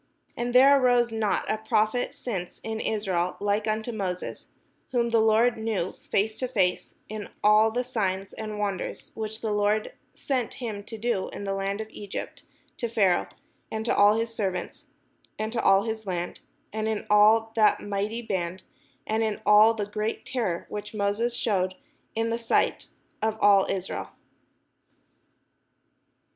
And there arose not a prophet since in Israel like unto Moses, whom the Lord knew face to face, in all the signs and the wonders, which the Lord sent him to do in the land of Egypt to Pharaoh, and to all his servants, and to all his land, and in all that mighty band, and in all the great terror which Moses shewed in the sight of all Israel.